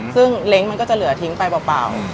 ซึ่งเล้งมันก็จะเหลือทิ้งไปเปล่า